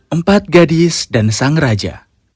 empat gadis dan sang raja